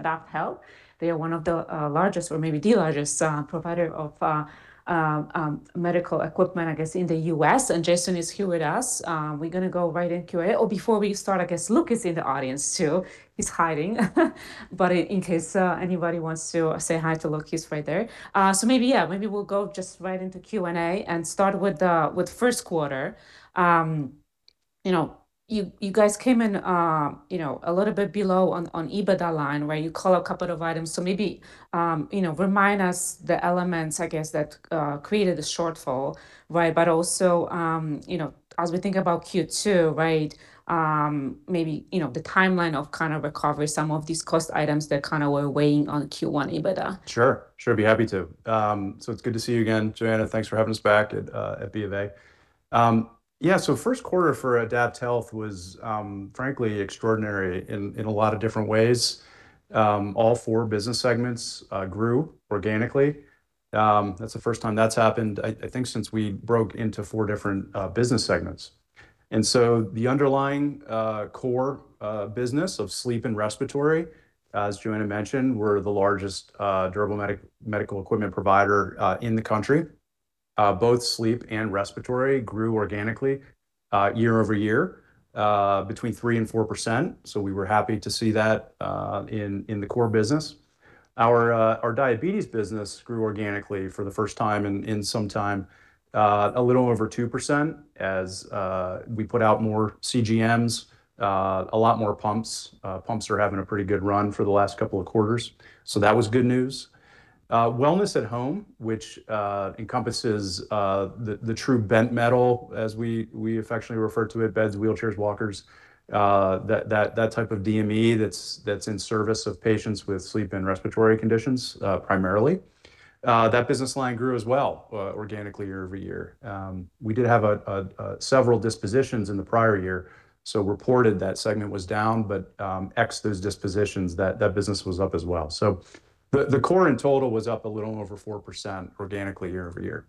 AdaptHealth. They are one of the largest or maybe the largest provider of medical equipment, I guess, in the U.S. Jason is here with us. We're going to go right in Q&A. Before we start, I guess Luke is in the audience, too. He's hiding. In case anybody wants to say hi to Luke, he's right there. Maybe, yeah, maybe we'll go just right into Q&A and start with the Q1. You know, you guys came in, you know, a little bit below on EBITDA line, where you call a couple of items. Maybe, you know, remind us the elements, I guess, that created the shortfall, right? Also, you know, as we think about Q2, right, maybe, you know, the timeline of kind of recovery some of these cost items that kind of were weighing on Q1 EBITDA. Sure. Sure, be happy to. It's good to see you again, Joanna. Thanks for having us back at BofA. Q1 for AdaptHealth was frankly extraordinary in a lot of different ways. All four business segments grew organically. That's the first time that's happened, I think, since we broke into four different business segments. The underlying core business of sleep and respiratory, as Joanna mentioned, we're the largest durable medical equipment provider in the country. Both sleep and respiratory grew organically year-over year between 3%-4%, so we were happy to see that in the core business. Our diabetes business grew organically for the first time in some time, a little over 2% as we put out more CGMs, a lot more pumps. Pumps are having a pretty good run for the last couple of quarters. That was good news. Wellness at home, which encompasses the true bent metal, as we affectionately refer to it, beds, wheelchairs, walkers, that type of DME that's in service of patients with sleep and respiratory conditions, primarily. That business line grew as well, organically year-over-year. We did have several dispositions in the prior year. Reported that segment was down, ex those dispositions, that business was up as well. The core in total was up a little over 4% organically year-over-year.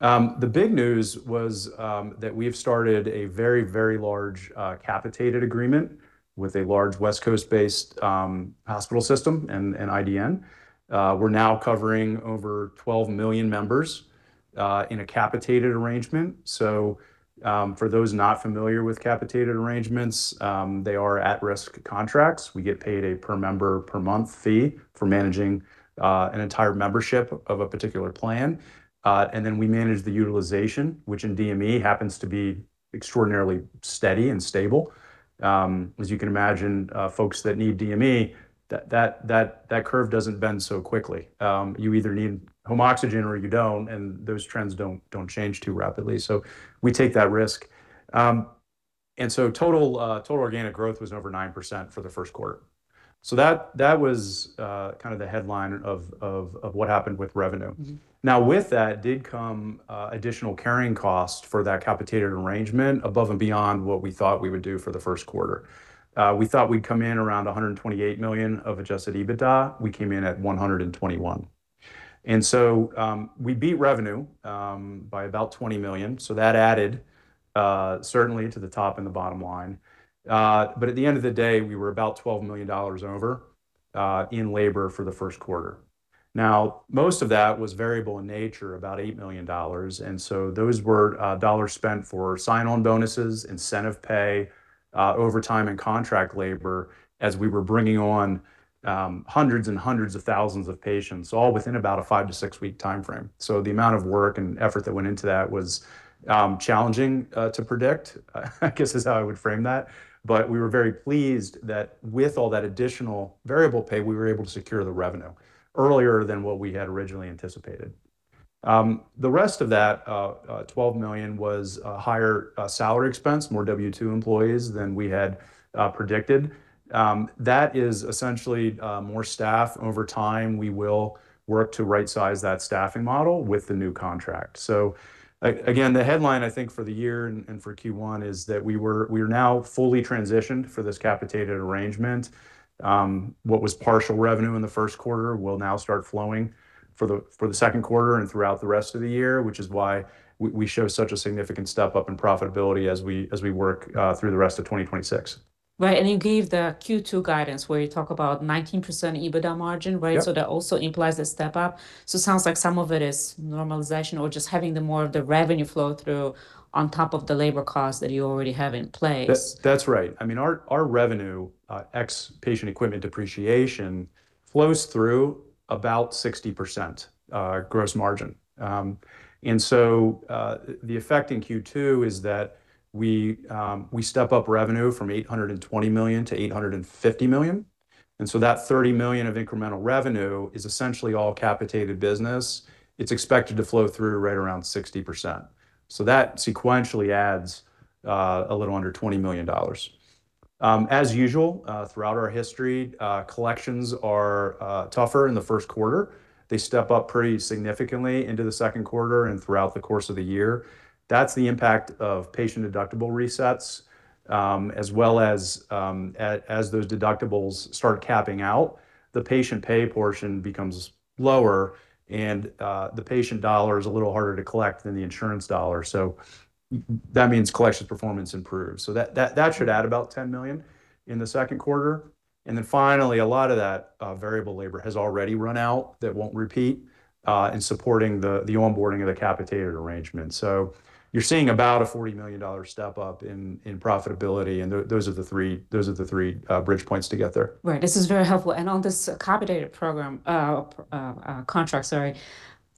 The big news was that we've started a very, very large capitated agreement with a large West Coast-based hospital system and IDN. We're now covering over 12 million members in a capitated arrangement. For those not familiar with capitated arrangements, they are at-risk contracts. We get paid a per member per month fee for managing an entire membership of a particular plan. And then we manage the utilization, which in DME happens to be extraordinarily steady and stable. As you can imagine, folks that need DME, that curve doesn't bend so quickly. You either need home oxygen or you don't, and those trends don't change too rapidly. We take that risk. Total organic growth was over 9% for the Q1. That was kind of the headline of what happened with revenue. With that did come additional carrying cost for that capitated arrangement above and beyond what we thought we would do for the Q1. We thought we'd come in around $128 million of adjusted EBITDA. We came in at $121 million. We beat revenue by about $20 million, so that added certainly to the top and the bottom line. At the end of the day, we were about $12 million over in labor for the Q1. Most of that was variable in nature, about $8 million, those were dollars spent for sign-on bonuses, incentive pay, overtime and contract labor as we were bringing on hundreds and hundreds of thousands of patients, all within about a five to six week timeframe. The amount of work and effort that went into that was challenging to predict, I guess, is how I would frame that. We were very pleased that with all that additional variable pay, we were able to secure the revenue earlier than what we had originally anticipated. The rest of that $12 million was higher salary expense, more W-2 employees than we had predicted. That is essentially more staff. Over time, we will work to right size that staffing model with the new contract. Again, the headline, I think, for the year and for Q1 is that we are now fully transitioned for this capitated arrangement. What was partial revenue in the Q1 will now start flowing for the Q2 and throughout the rest of the year, which is why we show such a significant step up in profitability as we work through the rest of 2026. Right. You gave the Q2 guidance, where you talk about 19% EBITDA margin. Yep That also implies a step up. It sounds like some of it is normalization or just having the more of the revenue flow through on top of the labor cost that you already have in place. That's, that's right. I mean, our revenue, ex patient equipment depreciation, flows through about 60% gross margin. The effect in Q2 is that we step up revenue from $820 million to $850 million, and so that $30 million of incremental revenue is essentially all capitated business. It's expected to flow through right around 60%. That sequentially adds a little under $20 million. As usual, throughout our history, collections are tougher in the Q1. They step up pretty significantly into the Q2 and throughout the course of the year. That's the impact of patient deductible resets, as well as those deductibles start capping out, the patient pay portion becomes lower and the patient dollar is a little harder to collect than the insurance dollar, so that means collection performance improves. That should add about $10 million in the Q2. Finally, a lot of that variable labor has already run out that won't repeat in supporting the onboarding of the capitated arrangement. You're seeing about a $40 million step-up in profitability, and those are the three bridge points to get there. Right. This is very helpful. On this capitated program, contract, sorry,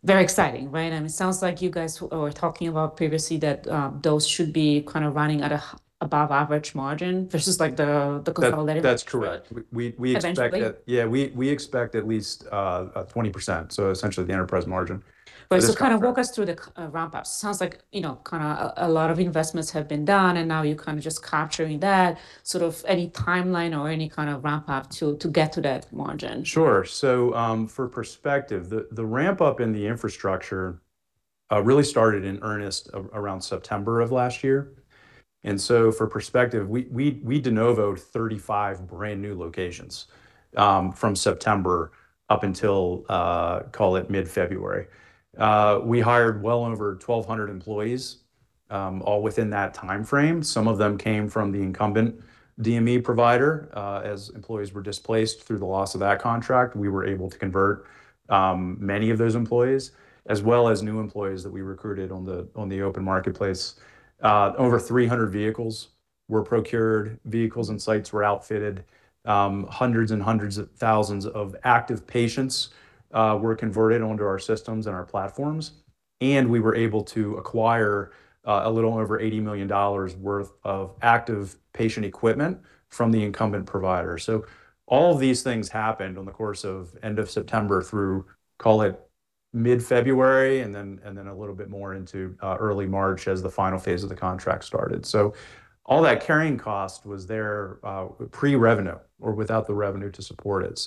very exciting, right? I mean, it sounds like you guys were talking about previously that those should be kind of running at a above average margin versus like the corporate level. That's correct. We expect. Eventually. Yeah, we expect at least a 20%, so essentially the enterprise margin for this contract. Kind of walk us through the ramp up. Sounds like, you know, kind of a lot of investments have been done, and now you're kind of just capturing that, sort of any timeline or any kind of ramp up to get to that margin? Sure. For perspective, the ramp up in the infrastructure really started in earnest around September of last year. For perspective, we de novo 35 brand new locations from September up until call it mid-February. We hired well over 1,200 employees all within that timeframe. Some of them came from the incumbent DME provider. As employees were displaced through the loss of that contract, we were able to convert many of those employees, as well as new employees that we recruited on the open marketplace. Over 300 vehicles were procured, vehicles and sites were outfitted. Hundreds of thousands of active patients were converted onto our systems and our platforms, and we were able to acquire a little over $80 million worth of active patient equipment from the incumbent provider. All of these things happened on the course of end of September through, call it, mid-February, and then a little bit more into early March as the final phase of the contract started. All that carrying cost was there pre-revenue or without the revenue to support it.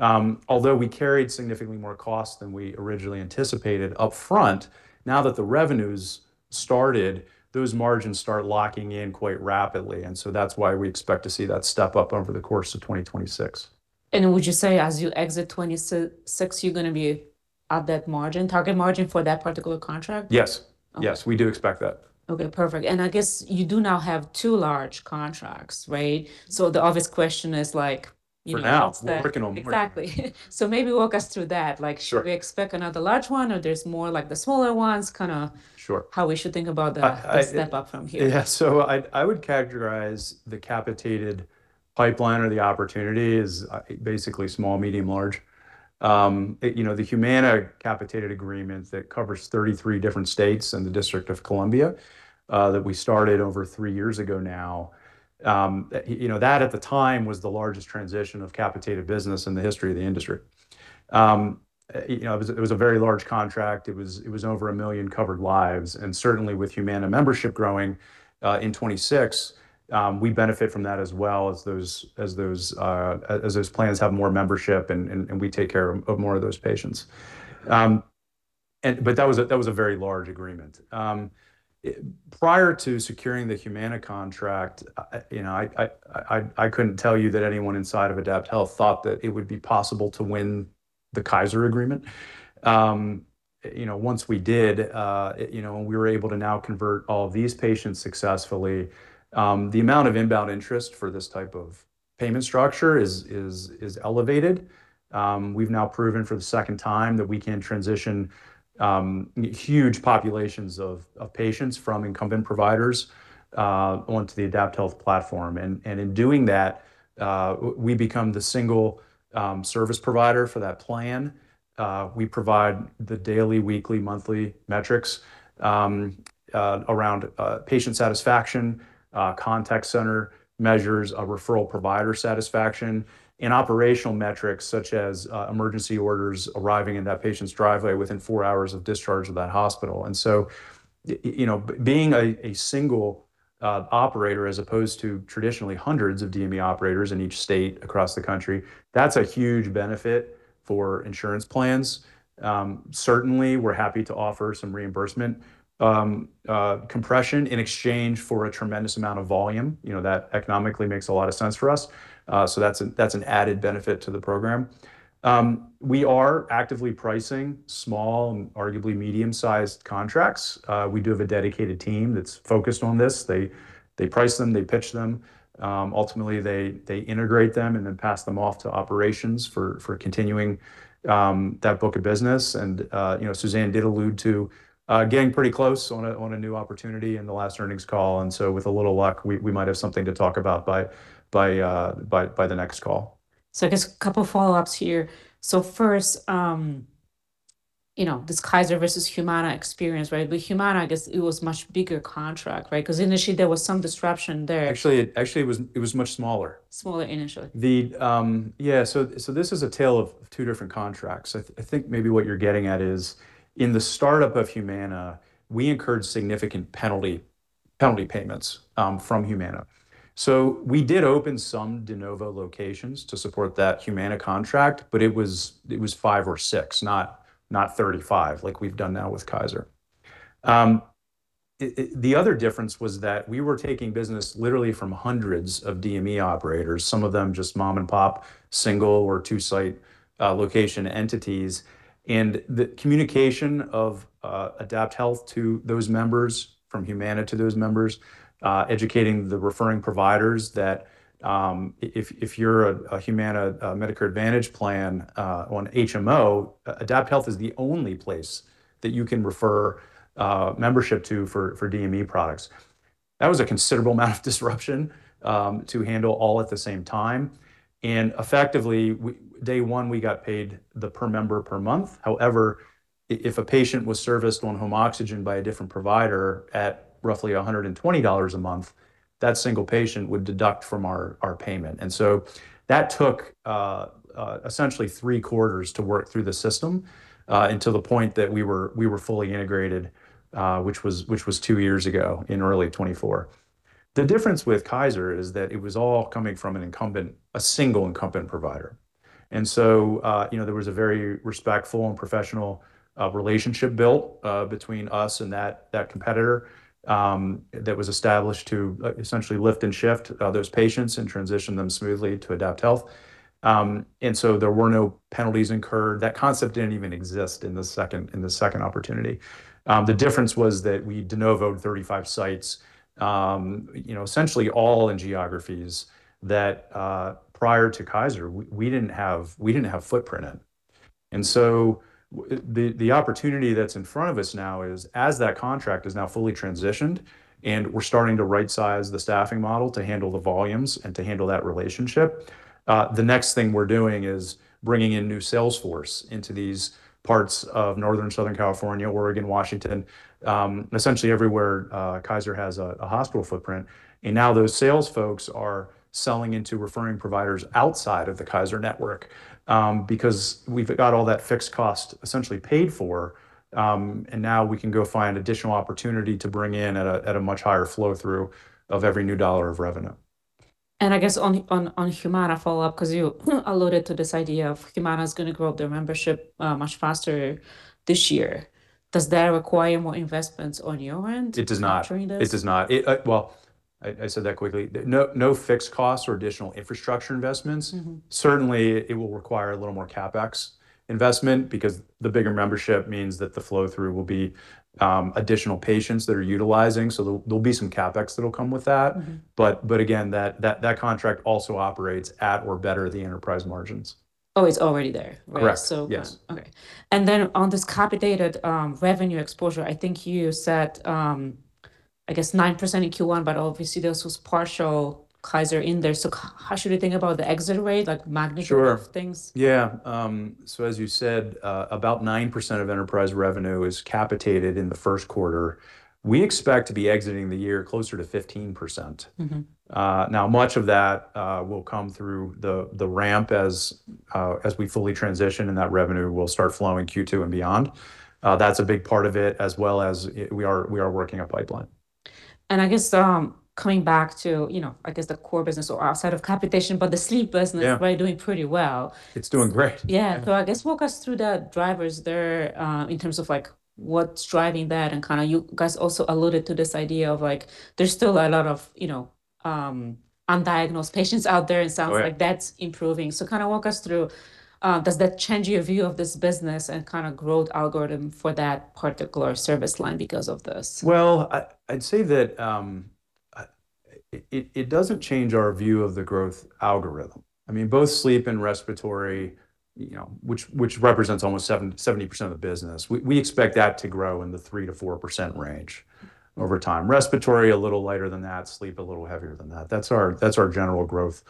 Although we carried significantly more cost than we originally anticipated up front, now that the revenue's started, those margins start locking in quite rapidly, and so that's why we expect to see that step up over the course of 2026. Would you say as you exit 2026, you're going to be at that margin, target margin for that particular contract? Yes. Okay. Yes, we do expect that. Okay, perfect. I guess you do now have two large contracts, right? The obvious question is like, you know. For now. We're working on more Exactly. maybe walk us through that. Sure We expect another large one, or there's more like the smaller ones. Sure how we should think about. I, The step up from here. Yeah, I would characterize the capitated pipeline or the opportunity as basically small, medium, large. You know, the Humana capitated agreement that covers 33 different states and the District of Columbia, that we started over three years ago now, you know, that at the time was the largest transition of capitated business in the history of the industry. You know, it was a very large contract. It was over a million covered lives, and certainly with Humana membership growing in 2026, we benefit from that as well as those plans have more membership and we take care of more of those patients. But that was a very large agreement. Prior to securing the Humana contract, you know, I couldn't tell you that anyone inside of AdaptHealth thought that it would be possible to win the Kaiser agreement. You know, once we did, it, you know, and we were able to now convert all of these patients successfully, the amount of inbound interest for this type of payment structure is elevated. We've now proven for the second time that we can transition huge populations of patients from incumbent providers onto the AdaptHealth platform. In doing that, we become the single service provider for that plan. We provide the daily, weekly, monthly metrics around patient satisfaction, contact center measures of referral provider satisfaction, and operational metrics such as emergency orders arriving in that patient's driveway within four hours of discharge of that hospital. You know, being a single operator as opposed to traditionally hundreds of DME operators in each state across the country, that's a huge benefit for insurance plans. Certainly, we're happy to offer some reimbursement compression in exchange for a tremendous amount of volume, you know, that economically makes a lot of sense for us. That's an added benefit to the program. We are actively pricing small and arguably medium-sized contracts. We do have a dedicated team that's focused on this. They price them, they pitch them. Ultimately, they integrate them and then pass them off to operations for continuing that book of business. You know, Suzanne did allude to getting pretty close on a new opportunity in the last earnings call. With a little luck, we might have something to talk about by the next call. I guess a couple follow-ups here. First, you know, this Kaiser versus Humana experience, right? With Humana, I guess it was much bigger contract, right? 'Cause initially, there was some disruption there. Actually, it was much smaller. Smaller initially. This is a tale of two different contracts. I think maybe what you're getting at is in the startup of Humana, we incurred significant penalty payments from Humana. We did open some de novo locations to support that Humana contract, but it was five or six, not 35 like we've done now with Kaiser. The other difference was that we were taking business literally from hundreds of DME operators, some of them just mom-and-pop, single or two-site location entities. The communication of AdaptHealth to those members, from Humana to those members, educating the referring providers that, if you're a Humana Medicare Advantage plan on HMO, AdaptHealth is the only place that you can refer membership to for DME products. That was a considerable amount of disruption to handle all at the same time. Effectively day one we got paid the per member per month. However, if a patient was serviced on home oxygen by a different provider at roughly $120 a month, that single patient would deduct from our payment. That took essentially Q3 to work through the system until the point that we were fully integrated, which was two years ago in early 2024. The difference with Kaiser is that it was all coming from an incumbent, a single incumbent provider. You know, there was a very respectful and professional relationship built between us and that competitor that was established to essentially lift and shift those patients and transition them smoothly to AdaptHealth. There were no penalties incurred. That concept didn't even exist in the second opportunity. The difference was that we de novo 35 sites, you know, essentially all in geographies that, prior to Kaiser we didn't have footprint in. The opportunity that's in front of us now is, as that contract is now fully transitioned and we're starting to right-size the staffing model to handle the volumes and to handle that relationship, the next thing we're doing is bringing in new sales force into these parts of Northern and Southern California, Oregon, Washington, essentially everywhere Kaiser has a hospital footprint. Now those sales folks are selling into referring providers outside of the Kaiser network, because we've got all that fixed cost essentially paid for, and now we can go find additional opportunity to bring in at a much higher flow through of every new dollar of revenue. I guess on Humana follow-up, 'cause you alluded to this idea of Humana's gonna grow their membership much faster this year. Does that require more investments on your end? It does not During this? It does not. It, well, I said that quickly. No fixed costs or additional infrastructure investments. Certainly it will require a little more CapEx investment because the bigger membership means that the flow through will be additional patients that are utilizing, so there'll be some CapEx that'll come with that. Again, that contract also operates at or better the enterprise margins. Oh, it's already there, right? Correct. So, Yes Okay. On this capitated revenue exposure, I think you said, I guess 9% in Q1, obviously this was partial Kaiser in there, how should we think about the exit rate, like magnitude? Sure of things? Yeah. As you said, about 9% of enterprise revenue is capitated in the Q1. We expect to be exiting the year closer to 15%. Now much of that will come through the ramp as we fully transition and that revenue will start flowing Q2 and beyond. That's a big part of it, as well as we are working our pipeline. I guess, coming back to, you know, I guess the core business or outside of capitation, but the sleep business. Yeah Is probably doing pretty well. It's doing great. Yeah. I guess walk us through the drivers there, in terms of like what's driving that and kind of you guys also alluded to this idea of like there's still a lot of, you know, undiagnosed patients out there and stuff. Right. Like that's improving. Kinda walk us through, does that change your view of this business and kinda growth algorithm for that particular service line because of this? Well, I'd say that it doesn't change our view of the growth algorithm. I mean, both sleep and respiratory, you know, which represents almost 70% of the business, we expect that to grow in the 3%-4% range over time. Respiratory a little lighter than that, sleep a little heavier than that. That's our general growth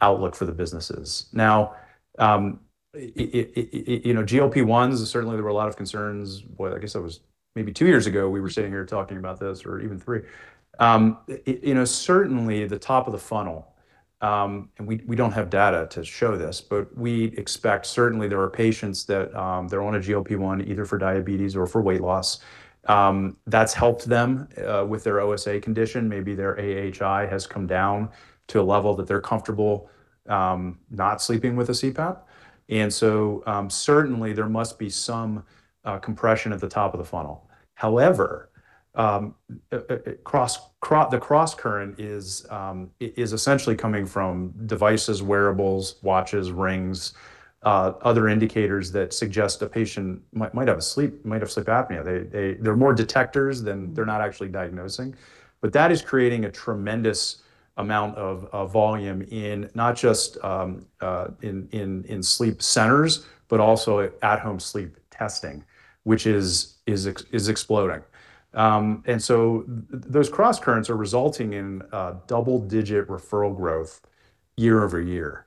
outlook for the businesses. Now, you know, GLP-1s certainly there were a lot of concerns, boy, I guess that was maybe two years ago we were sitting here talking about this or even three. It, you know, certainly the top of the funnel, we don't have data to show this, but we expect certainly there are patients that they're on a GLP-1 either for diabetes or for weight loss, that's helped them with their OSA condition. Maybe their AHI has come down to a level that they're comfortable not sleeping with a CPAP. Certainly there must be some compression at the top of the funnel. However, the cross-current is essentially coming from devices, wearables, watches, rings, other indicators that suggest a patient might have sleep apnea. They're more detectors than they're not actually diagnosing. That is creating a tremendous amount of volume in not just in sleep centers, but also at home sleep testing, which is exploding. Those cross-currents are resulting in double-digit referral growth year-over-year.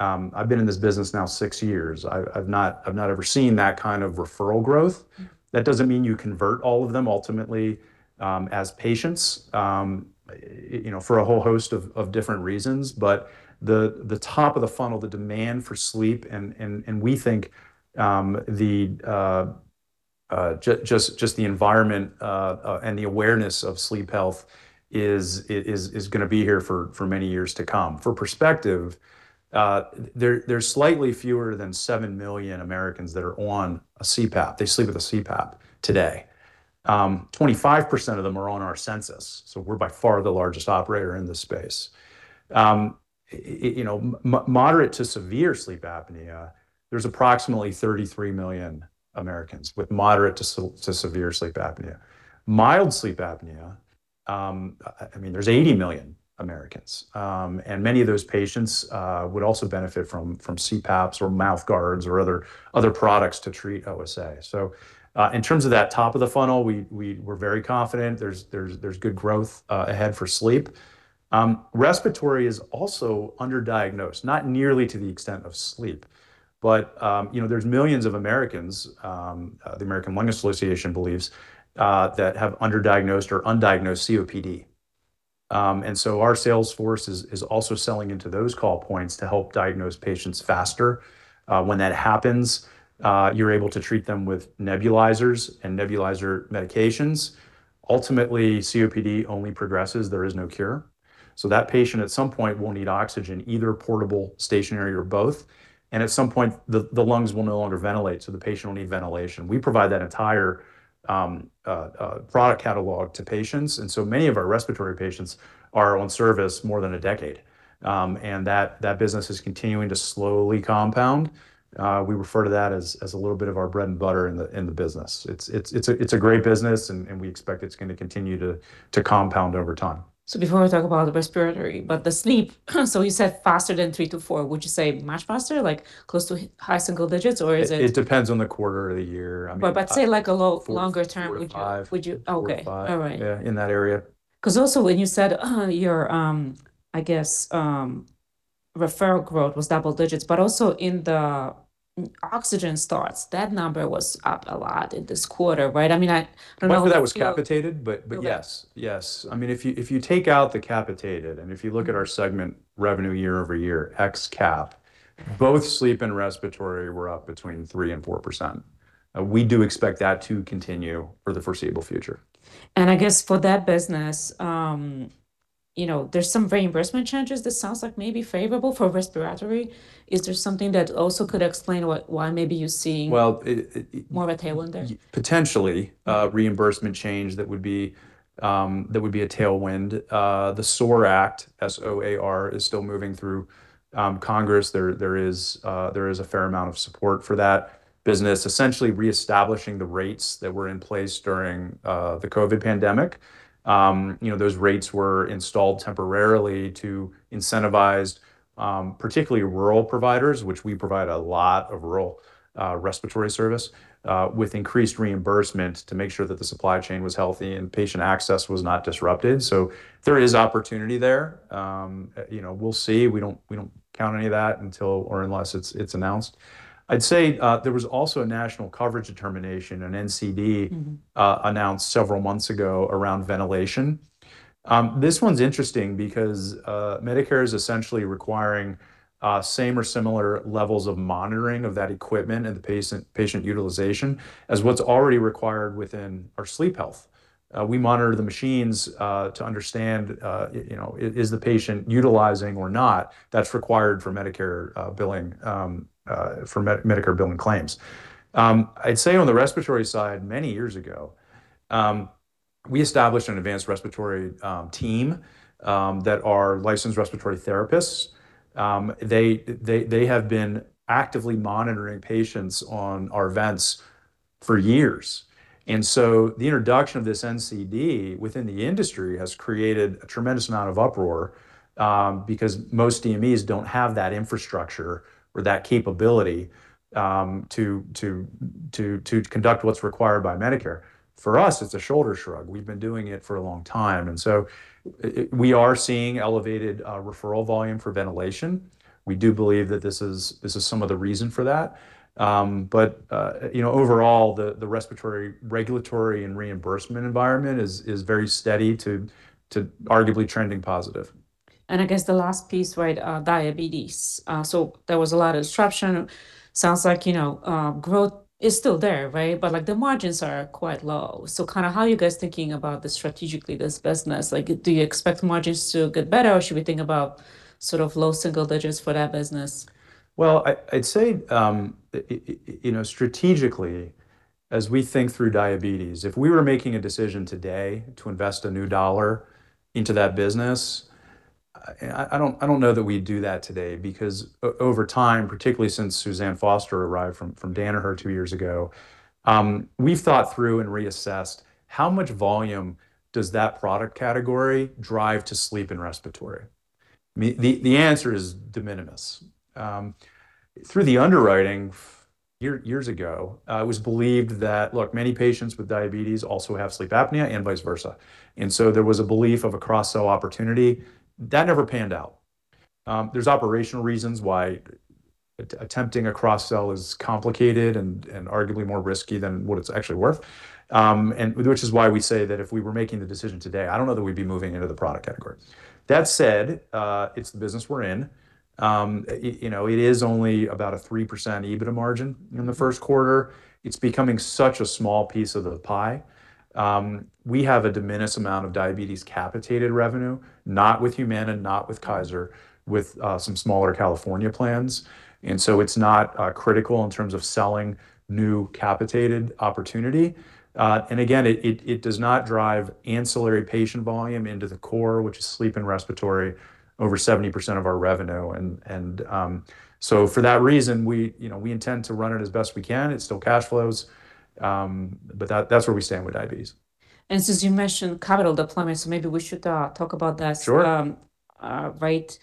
I've been in this business now six years. I've not ever seen that kind of referral growth. That doesn't mean you convert all of them ultimately as patients. You know, for a whole host of different reasons, but the top of the funnel, the demand for sleep, and we think just the environment and the awareness of sleep health is gonna be here for many years to come. For perspective, there's slightly fewer than 7 million Americans that are on a CPAP. They sleep with a CPAP today. 25% of them are on our census, so we're by far the largest operator in this space. You know, moderate to severe sleep apnea, there's approximately 33 million Americans with moderate to severe sleep apnea. Mild sleep apnea, I mean, there's 80 million Americans. And many of those patients would also benefit from CPAPs or mouth guards or other products to treat OSA. In terms of that top of the funnel, we're very confident. There's good growth ahead for sleep. Respiratory is also under-diagnosed, not nearly to the extent of sleep, but, you know, there's millions of Americans, the American Lung Association believes, that have under-diagnosed or undiagnosed COPD. Our sales force is also selling into those call points to help diagnose patients faster. When that happens, you're able to treat them with nebulizers and nebulizer medications. Ultimately, COPD only progresses. There is no cure, so that patient at some point will need oxygen, either portable, stationary, or both, and at some point, the lungs will no longer ventilate, so the patient will need ventilation. We provide that entire product catalog to patients, and so many of our respiratory patients are on service more than a decade. That business is continuing to slowly compound. We refer to that as a little bit of our bread and butter in the business. It's a great business and we expect it's gonna continue to compound over time. Before we talk about the respiratory, but the sleep, so you said faster than three to four. Would you say much faster, like close to high single digits, or is it, It depends on the quarter or the year. Say like a longer term. Four-five. would you, would you, Four-five Okay. All right. Yeah. In that area. Also when you said, your, I guess, referral growth was double digits, but also in the oxygen starts, that number was up a lot in this quarter, right? I mean, I don't know if you- Remember that was capitated. Okay Yes. Yes. I mean, if you, if you take out the capitated and if you look at our segment revenue year-over-year ex cap, both sleep and respiratory were up between 3% and 4%. We do expect that to continue for the foreseeable future. I guess for that business, you know, there's some reimbursement changes that sounds like may be favorable for respiratory. Is there something that also could explain why maybe you're seeing? Well. More of a tailwind there? Potentially, reimbursement change that would be, that would be a tailwind. The SOAR Act, S-O-A-R, is still moving through Congress. There is a fair amount of support for that business, essentially reestablishing the rates that were in place during the COVID pandemic. You know, those rates were installed temporarily to incentivize particularly rural providers, which we provide a lot of rural respiratory service, with increased reimbursement to make sure that the supply chain was healthy and patient access was not disrupted. There is opportunity there. You know, we'll see. We don't count any of that until or unless it's announced. I'd say, there was also a National Coverage Determination, an NCD. announced several months ago around ventilation. This one's interesting because Medicare is essentially requiring same or similar levels of monitoring of that equipment and the patient utilization as what's already required within our sleep health. We monitor the machines to understand, you know, is the patient utilizing or not. That's required for Medicare billing for Medicare billing claims. I'd say on the respiratory side many years ago, we established an advanced respiratory team that are licensed respiratory therapists. They have been actively monitoring patients on our vents for years, the introduction of this NCD within the industry has created a tremendous amount of uproar because most DMEs don't have that infrastructure or that capability to conduct what's required by Medicare. For us, it's a shoulder shrug. We've been doing it for a long time. We are seeing elevated referral volume for ventilation. We do believe that this is some of the reason for that. You know, overall, the respiratory regulatory and reimbursement environment is very steady to arguably trending positive. I guess the last piece, right? diabetes. there was a lot of disruption. Sounds like, you know, growth is still there, right? But, like, the margins are quite low. Kinda how are you guys thinking about this strategically, this business? Like, do you expect margins to get better, or should we think about sort of low single digits for that business? Well, I'd say, you know, strategically as we think through diabetes, if we were making a decision today to invest a new dollar into that business, I don't, I don't know that we'd do that today because over time, particularly since Suzanne Foster arrived from Danaher two years ago, we've thought through and reassessed how much volume does that product category drive to sleep and respiratory? I mean, the answer is de minimis. Through the underwriting years ago, it was believed that, look, many patients with diabetes also have sleep apnea and vice versa, there was a belief of a cross sell opportunity. That never panned out. There's operational reasons why attempting a cross sell is complicated and arguably more risky than what it's actually worth. Which is why we say that if we were making the decision today, I don't know that we'd be moving into the product category. That said, it's the business we're in. You know, it is only about a 3% EBITDA margin in the Q1. It's becoming such a small piece of the pie. We have a de minimis amount of diabetes capitated revenue, not with Humana, not with Kaiser, with some smaller California plans. It's not critical in terms of selling new capitated opportunity. Again, it does not drive ancillary patient volume into the core, which is sleep and respiratory, over 70% of our revenue. For that reason, we, you know, we intend to run it as best we can. It still cash flows, but that's where we stand with diabetes. Since you mentioned capital deployment, maybe we should talk about that. Sure right.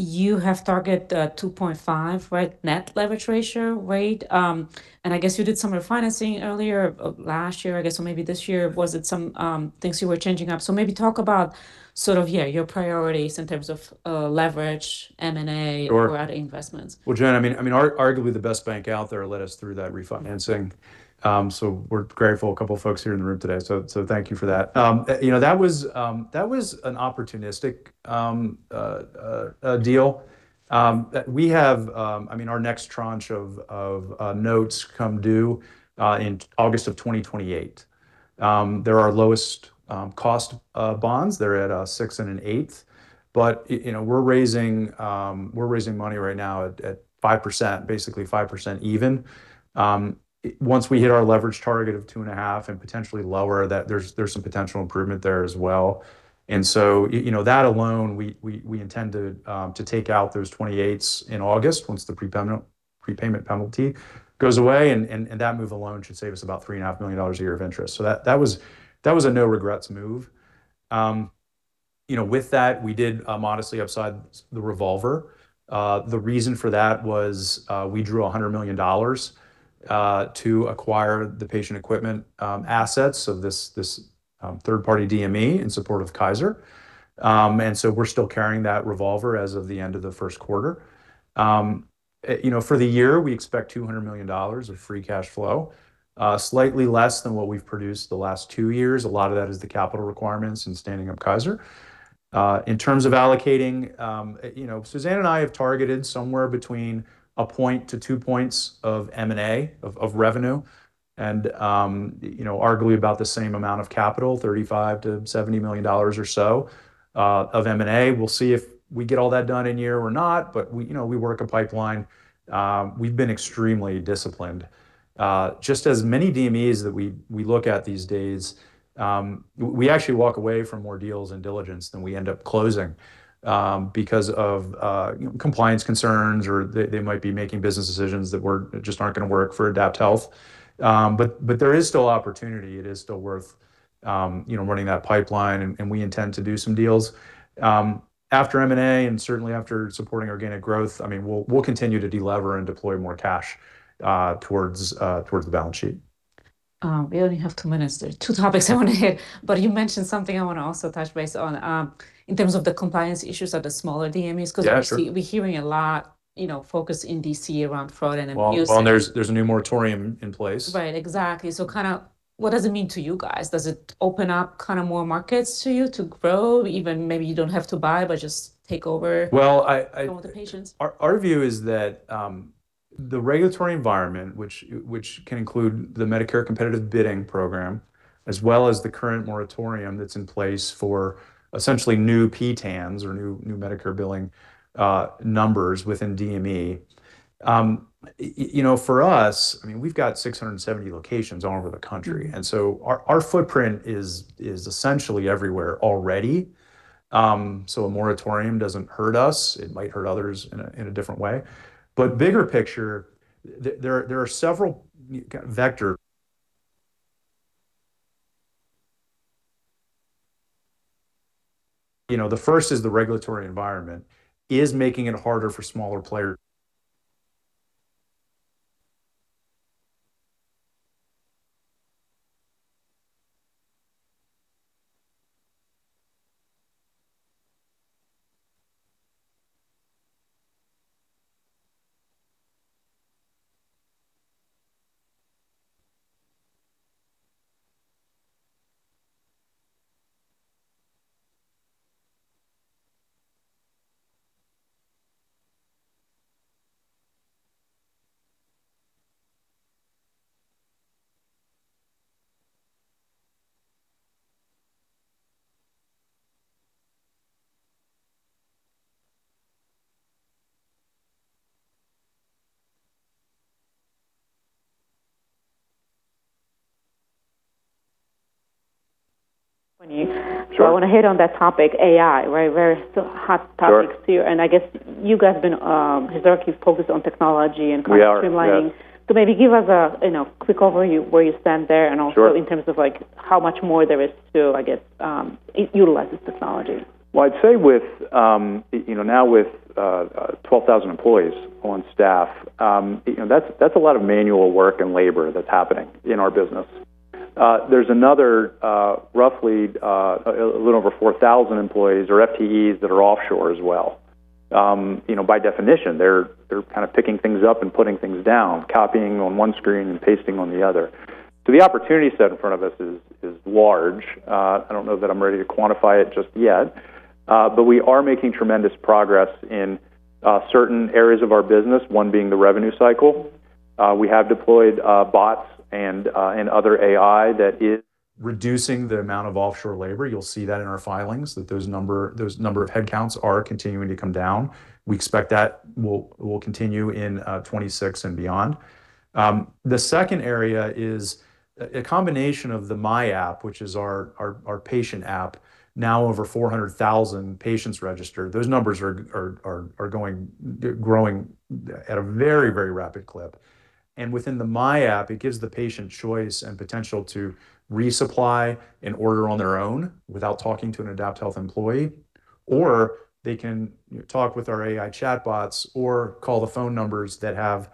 You have target 2.5 net leverage ratio. I guess you did some refinancing earlier of last year, so maybe this year. Was it some things you were changing up? Maybe talk about, yeah, your priorities in terms of leverage, M&A. Or, adding investments. Joanna, I mean, arguably the best bank out there led us through that refinancing. We're grateful. A couple folks here in the room today. Thank you for that. You know, that was an opportunistic deal. I mean, our next tranche of notes come due in August of 2028. They're our lowest cost bonds. They're at 6.125%. You know, we're raising money right now at 5%, basically 5% even. Once we hit our leverage target of 2.5 and potentially lower, there's some potential improvement there as well. You know, that alone, we intend to take out those 28s in August once the prepayment penalty goes away. That move alone should save us about $3.5 million a year of interest. That was a no regrets move. You know, with that, we did modestly upside the revolver. The reason for that was, we drew $100 million to acquire the patient equipment assets of this third party DME in support of Kaiser. We're still carrying that revolver as of the end of the Q1. You know, for the year, we expect $200 million of free cash flow, slightly less than what we've produced the last two years. A lot of that is the capital requirements in standing up Kaiser. In terms of allocating, you know, Suzanne and I have targeted somewhere between one to two points of M&A of revenue and, you know, arguably about the same amount of capital, $35 million-$70 million or so of M&A. We'll see if we get all that done in one year or not, but we, you know, we work a pipeline. We've been extremely disciplined. Just as many DMEs that we look at these days, we actually walk away from more deals and diligence than we end up closing because of, you know, compliance concerns or they might be making business decisions that just aren't gonna work for AdaptHealth. But there is still opportunity. It is still worth, you know, running that pipeline and we intend to do some deals. After M&A and certainly after supporting organic growth, I mean, we'll continue to delever and deploy more cash towards the balance sheet. We only have two minutes. There are two topics I wanna hit. You mentioned something I wanna also touch base on, in terms of the compliance issues of the smaller DMEs, Yeah, sure. Cause we're hearing a lot, you know, focus in D.C. around fraud and abuse. Well, well, there's a new moratorium in place. Right. Exactly. What does it mean to you guys? Does it open up kinda more markets to you to grow? Even maybe you don't have to buy, but just take over- Well. Some of the patients. Our view is that the regulatory environment which can include the Medicare Competitive Bidding Program as well as the current moratorium that's in place for essentially new PTANs or new Medicare billing numbers within DME. You know, for us, I mean, we've got 670 locations all over the country, our footprint is essentially everywhere already. A moratorium doesn't hurt us. It might hurt others in a different way. Bigger picture, there are several vector You know, the first is the regulatory environment is making it harder for smaller players. When you, Sure, Wanna hit on that topic, AI, right? Very still hot topic. Sure I guess you guys been, historically focused on technology and We are, yes. Streamlining. Maybe give us a, you know, quick overview where you stand there. Sure In terms of like how much more there is to, I guess, utilize this technology. Well, I'd say with, you know, now with 12,000 employees on staff, you know, that's a lot of manual work and labor that's happening in our business. There's another, roughly, a little over 4,000 employees or FTEs that are offshore as well. You know, by definition, they're kind of picking things up and putting things down, copying on one screen and pasting on the other. The opportunity set in front of us is large. I don't know that I'm ready to quantify it just yet. We are making tremendous progress in certain areas of our business, one being the revenue cycle. We have deployed bots and other AI that is reducing the amount of offshore labor. You'll see that in our filings, that those number of headcounts are continuing to come down. We expect that will continue in 2026 and beyond. The second area is a combination of the myAPP, which is our patient app. Now over 400,000 patients registered. Those numbers are growing at a very rapid clip. Within the myAPP, it gives the patient choice and potential to resupply and order on their own without talking to an AdaptHealth employee, or they can talk with our AI chatbots or call the phone numbers that have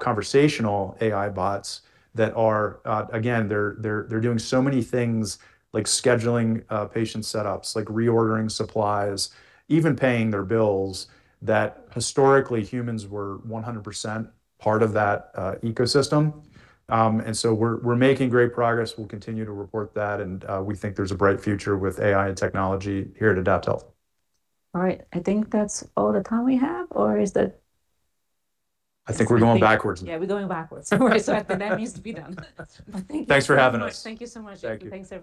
conversational AI bots that are again, they're doing so many things like scheduling patient setups, like reordering supplies, even paying their bills, that historically humans were 100% part of that ecosystem. We're making great progress. We'll continue to report that, and we think there's a bright future with AI and technology here at AdaptHealth. All right. I think that's all the time we have, or is that? I think we're going backwards. Yeah, we're going backwards. Sorry. That needs to be done. Thank you. Thanks for having us. so much. Thank you so much. Thank you. Thanks, everyone.